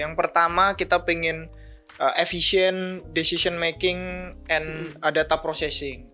yang pertama kita ingin efisien decision making and data processing